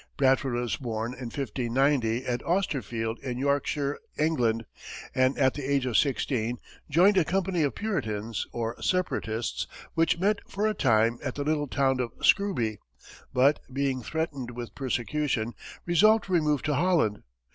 Bradford was born in 1590 at Austerfield, in Yorkshire, England, and at the age of sixteen, joined a company of Puritans or Separatists, which met for a time at the little town of Scrooby, but, being threatened with persecution, resolved to remove to Holland.